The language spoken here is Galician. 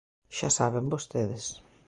¡Xa saben vostedes!